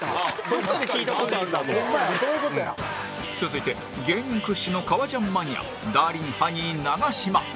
続いて芸人屈指の革ジャンマニアダーリンハニー長嶋